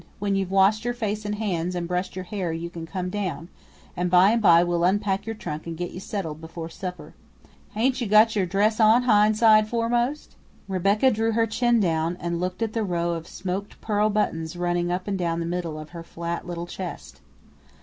When you've washed your face and hands and brushed your hair you can come down, and by and by we'll unpack your trunk and get you settled before supper. Ain't you got your dress on hind sid' foremost?" Rebecca drew her chin down and looked at the row of smoked pearl buttons running up and down the middle of her flat little chest.